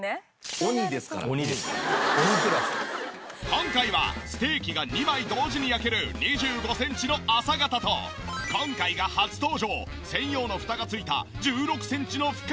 今回はステーキが２枚同時に焼ける２５センチの浅型と今回が初登場専用の蓋がついた１６センチの深型。